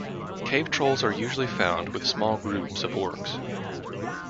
Cave-trolls are usually found with small groups of Orcs.